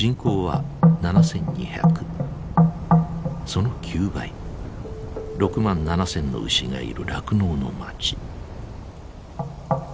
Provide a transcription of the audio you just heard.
その９倍６万７，０００の牛がいる酪農の町。